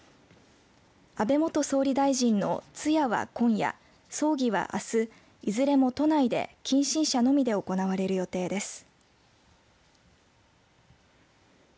安倍元総理大臣の通夜は今夜、葬儀はあす、いずれも都内で近親者のみで行われる予定です。